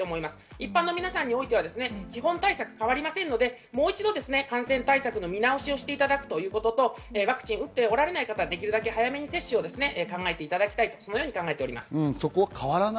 一般の皆さんには基本対策は変わりませんのでもう一度、感染対策を見直していただくということと、ワクチンを打っておられない方はできるだけ早く接種を考えていただきたいと考えております。